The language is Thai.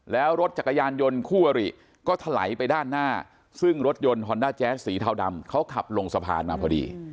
แล้วรถจักรยานยนต์คู่อริก็ถลายไปด้านหน้าซึ่งรถยนต์ฮอนด้าแจ๊สสีเทาดำเขาขับลงสะพานมาพอดี